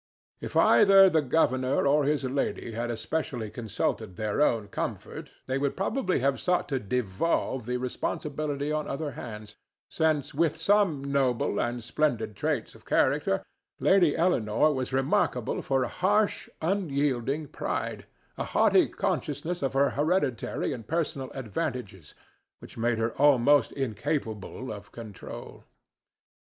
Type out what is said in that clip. If either the governor or his lady had especially consulted their own comfort, they would probably have sought to devolve the responsibility on other hands, since with some noble and splendid traits of character Lady Eleanore was remarkable for a harsh, unyielding pride, a haughty consciousness of her hereditary and personal advantages, which made her almost incapable of control.